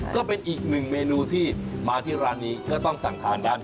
ก็เป็นอีกหนึ่งเมนูที่มาที่ร้านนี้ก็ต้องสั่งทานกัน